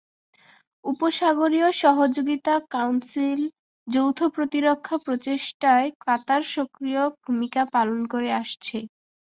উপসাগরীয় সহযোগিতা কাউন্সিল যৌথ প্রতিরক্ষা প্রচেষ্টায় কাতার সক্রিয় ভূমিকা পালন করে আসছে।